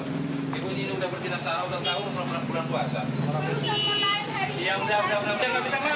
ibu ini udah berjalan selama enam tahun menang bulan puasa